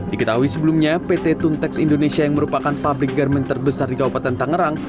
diketahui sebelumnya pt tuntex indonesia yang merupakan pabrik garmen terbesar di kabupaten tangerang